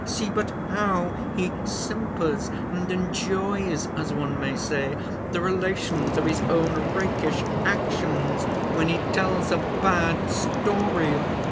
See but how he simpers, and enjoys, as one may say, the relations of his own rakish actions, when he tells a bad story!"